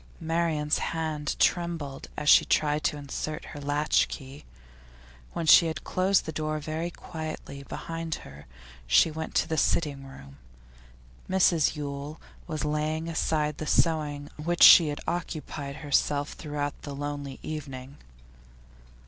Marian's hand trembled as she tried to insert her latch key. When she had closed the door very quietly behind her she went to the sitting room; Mrs Yule was just laying aside the sewing on which she had occupied herself throughout the lonely evening.